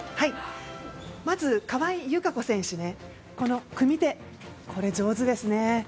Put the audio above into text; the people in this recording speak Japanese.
まず、川井友香子選手は組手、上手ですね。